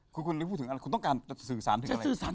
คุณนึกพูดถึงอะไรคุณต้องการจะสื่อสารถึงอะไร